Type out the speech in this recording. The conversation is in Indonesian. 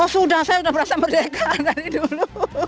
oh sudah saya sudah merasa merdeka dari dulu